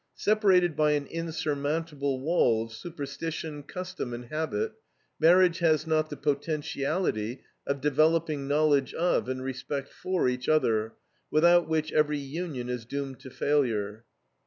Separated by an insurmountable wall of superstition, custom, and habit, marriage has not the potentiality of developing knowledge of, and respect for, each other, without which every union is doomed to failure.